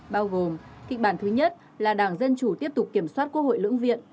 bao gồm kịch bản thứ nhất là đảng dân chủ tiếp tục kiểm soát quốc hội lưỡng viện